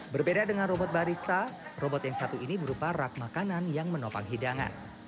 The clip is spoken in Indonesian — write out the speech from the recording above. berbeda dengan robot barista robot yang satu ini berupa rak makanan yang menopang hidangan